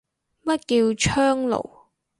乜叫窗爐